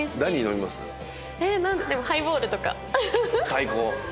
最高！